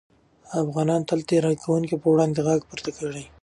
افغانانو تل د تېري کوونکو پر وړاندې غږ پورته کړی.